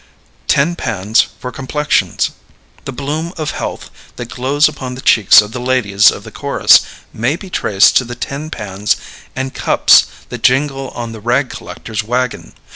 Tin Pans for Complexions. The bloom of health that glows upon the cheeks of the ladies of the chorus may be traced to the tin pans and cups that jingle on the rag collector's wagon.